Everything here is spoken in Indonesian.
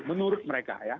menurut mereka ya